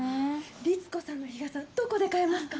律子さんの日傘どこで買えますか？